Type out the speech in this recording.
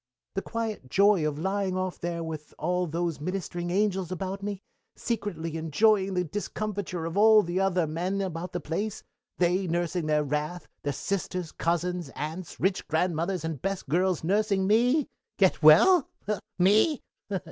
"The quiet joy of lying off there with all those ministering angels about me, secretly enjoying the discomfiture of all the other men about the place they nursing their wrath; their sisters, cousins, aunts, rich grandmothers, and best girls nursing me get well? me?